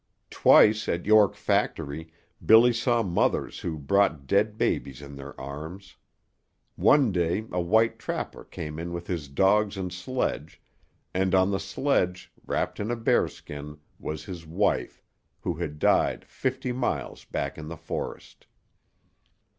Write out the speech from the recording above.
Twice at York Factory Billy saw mothers who brought dead babies in their arms. One day a white trapper came in with his dogs and sledge, and on the sledge, wrapped in a bearskin, was his wife, who had died fifty miles back in the forest.